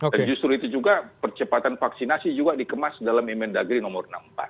dan justru itu juga percepatan vaksinasi juga dikemas dalam inmen dagri nomor enam puluh empat